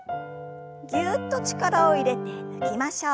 ぎゅっと力を入れて抜きましょう。